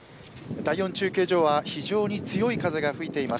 第４中継所は非常に強い風が吹いています。